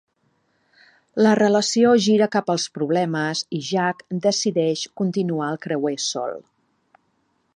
La relació gira cap als problemes i Jack decideix continuar el creuer sol.